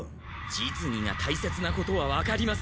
実技がたいせつなことはわかります。